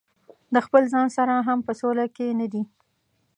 د خپل ځان سره هم په سوله کې نه دي.